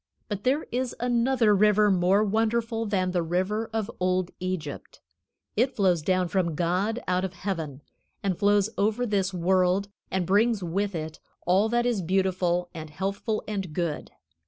But there is another river more wonderful than the river of old Egypt. It flows down from God out of heaven, and flows over this world, and brings with it all that is beautiful and healthful and good.